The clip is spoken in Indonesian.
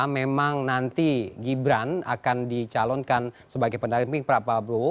memang nanti gibran akan dicalonkan sebagai pendamping prabowo